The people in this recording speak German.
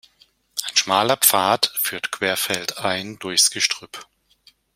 Ein schmaler Pfad führt querfeldein durchs Gestrüpp.